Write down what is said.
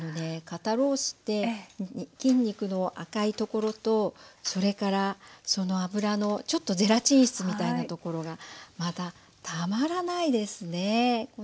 肩ロースって筋肉の赤いところとそれからその脂のちょっとゼラチン質みたいなところがまたたまらないですね。